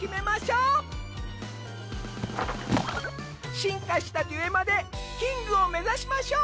進化したデュエマでキングを目指しましょう。